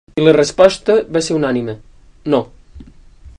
I la resposta va ser unànime: no.